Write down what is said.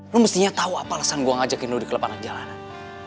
lu mestinya tau apa alasan gua ngajakin lu di kelepanan jalanan